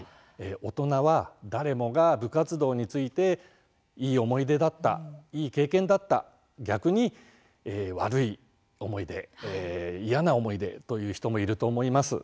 大人は誰もが部活動についていい思い出だったいい経験だった逆に、悪い思い出、嫌な思い出という人もいると思います。